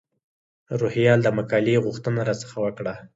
روهیال د مقالې غوښتنه را څخه وکړه.